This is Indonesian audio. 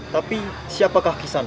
tapi siapakah ke sana